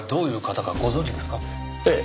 ええ。